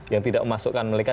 yang tidak memasukkan mereka